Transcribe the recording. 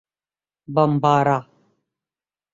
Bambara